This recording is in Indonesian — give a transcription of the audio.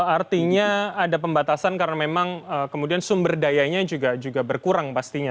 artinya ada pembatasan karena memang kemudian sumber dayanya juga berkurang pastinya